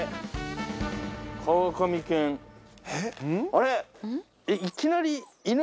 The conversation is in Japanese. あれ？